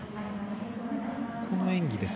この演技です。